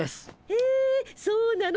へえそうなの？